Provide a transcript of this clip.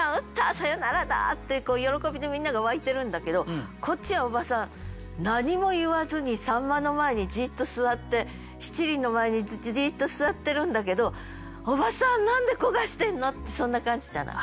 サヨナラだ！」って喜びでみんなが沸いてるんだけどこっちは叔母さん何も言わずに秋刀魚の前にじっと座って七輪の前にじっと座ってるんだけど「叔母さん何で焦がしてんの！」ってそんな感じじゃない？